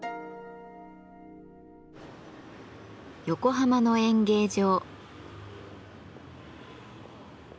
横浜の演芸場。